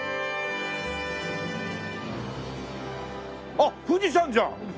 あっ富士山じゃん！